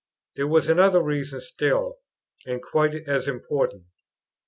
There was another reason still, and quite as important.